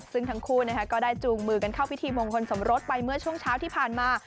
ซึ่งทั้งคู่ก็ได้จูงมือกันเข้าพิธีมงคลสมรสไปเมื่อช่วงเช้าที่ผ่านมา